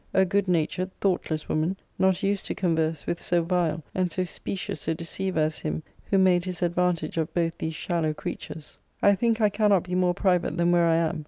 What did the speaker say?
A good natured, thoughtless woman; not used to converse with so vile and so specious a deceiver as him, who made his advantage of both these shallow creatures. I think I cannot be more private than where I am.